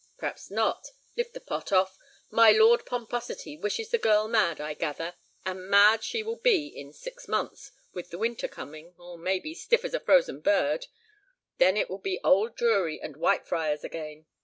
"P'r'aps not. Lift the pot off. My Lord Pomposity wishes the girl mad, I gather, and mad she will be in six months, with the winter coming—or, maybe, stiff as a frozen bird. Then it will be old Drury and Whitefriars again."